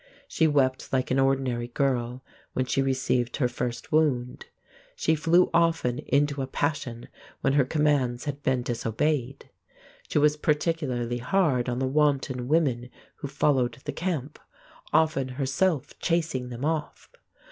She wept like an ordinary girl when she received her first wound. She flew often into a passion when her commands had been disobeyed. She was particularly hard on the wanton women who followed the camp, often herself chasing them off.